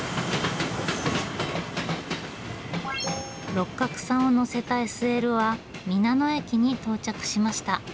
六角さんを乗せたＳＬは皆野駅に到着しました。